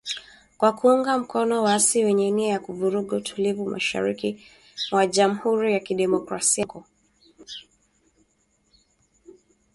Kwa kuunga mkono waasi wenye nia ya kuvuruga utulivu Mashariki mwa Jamhuri ya kidemokrasia ya Kongo.